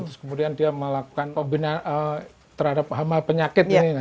terus kemudian dia melakukan kombinasi terhadap hama penyakit